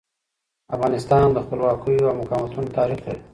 افغانستان د خپلواکیو او مقاومتونو تاریخ لري.